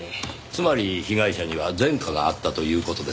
つまり被害者には前科があったという事ですか。